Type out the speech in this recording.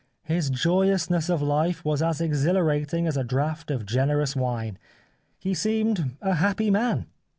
His joyousness of life was as exhilarating as a draught of generous wine. He seemed a happy man.